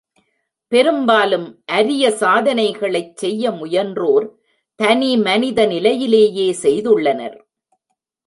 பெரும்பாலும் அரிய சாதனைகளைச் செய்ய முயன்றோர் தனி மனித நிலையிலேயே செய்துள்ளனர்.